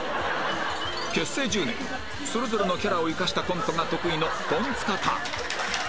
結成１０年それぞれのキャラを生かしたコントが得意のトンツカタン